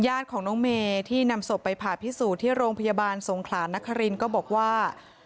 ญาติของน้องเมที่นำศพไปผ่าพิสูจน์ที่โรงพยาบาลสงขลานครินก็บอกว่า